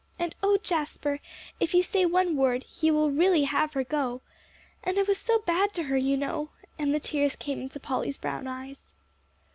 "And oh, Jasper, if you say one word, he will really have her go. And I was so bad to her, you know," and the tears came into Polly's brown eyes.